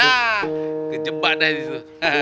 nah kejebak dah itu